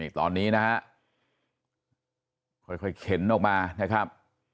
ตอนนี้นะฮะค่อยเข็นออกมานะครับ